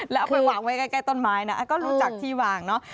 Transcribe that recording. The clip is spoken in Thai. แล้วเอาไปวางไว้ใกล้ต้นไม้นะก็รู้จักที่วางเนอะ